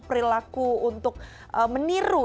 perlaku untuk meniru